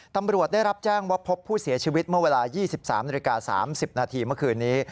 ตำรวจได้รับแจ้งว่าพบผู้เสียชีวิตเมื่อเวลา๒๓นาฬิกา๓๐นาทีเมื่อคืนนี้